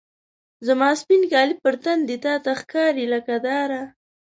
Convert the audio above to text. زما سپین کالي په تن دي، تا ته ښکاري لکه داره